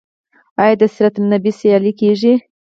آیا د سیرت النبی سیالۍ کیږي؟